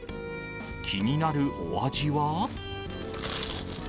気になるお味は？